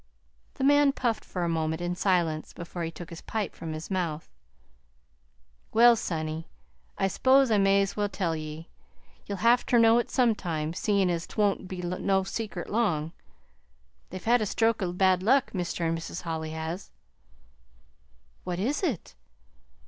The man puffed for a moment in silence before he took his pipe from his mouth. "Well, sonny, I s'pose I may as well tell ye. You'll have ter know it sometime, seein' as 't won't be no secret long. They've had a stroke o' bad luck Mr. an' Mis' Holly has." "What is it?"